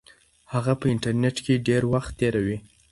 هغه په انټرنیټ کې ډېر وخت تیروي.